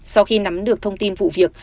sau khi nắm được thông tin vụ việc